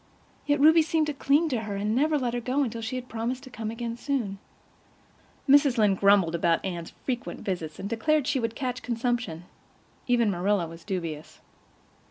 Yet Ruby seemed to cling to her, and never let her go until she had promised to come again soon. Mrs. Lynde grumbled about Anne's frequent visits, and declared she would catch consumption; even Marilla was dubious.